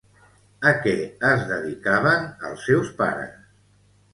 A què es dedicaven els seus pares?